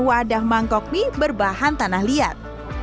wadah mangkok mie berbahan tanah liat